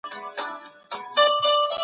کرنیز محصولات د هیواد شتمني ده.